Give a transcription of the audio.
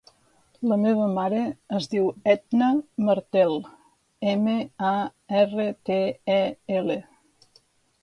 La meva mare es diu Etna Martel: ema, a, erra, te, e, ela.